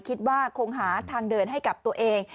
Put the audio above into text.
คิดว่าคงหาทางเดินให้กับตัวเอง